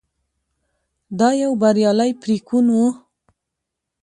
دا یو بریالی پرېکون و.